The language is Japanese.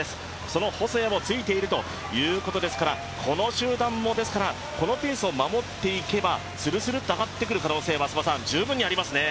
その細谷もついているということですからこの集団もこのペースを守っていけば、スルスルと上がってくる可能性は十分にありますね。